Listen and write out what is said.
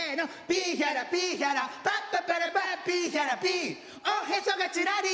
「ピーヒャラピーヒャラパッパパラパ」「ピーヒャラピおへそがちらり」